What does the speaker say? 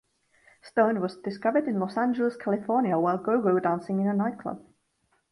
Stone was discovered in Los Angeles, California while go-go dancing in a nightclub.